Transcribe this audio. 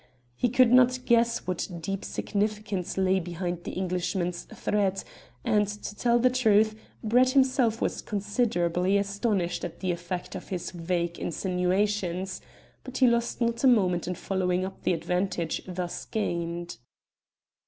He could not guess what deep significance lay behind the Englishman's threat, and, to tell the truth, Brett himself was considerably astonished at the effect of his vague insinuations, but he lost not a moment in following up the advantage thus gained.